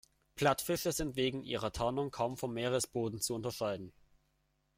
Plattfische sind wegen ihrer Tarnung kaum vom Meeresboden zu unterscheiden.